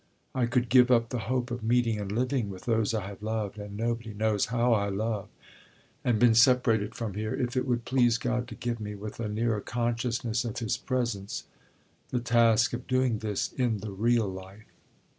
I could give up the hope of meeting and living with those I have loved (and nobody knows how I love) and been separated from here, if it would please God to give me, with a nearer consciousness of His Presence, the task of doing this in the real life."